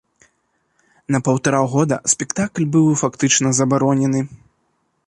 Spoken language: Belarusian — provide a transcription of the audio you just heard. На паўтара года спектакль быў фактычна забаронены.